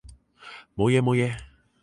冇嘢冇嘢